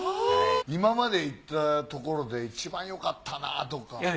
今まで行ったところで一番よかったなとか。